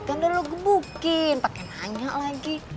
kan udah lu gebukin pakai nanya lagi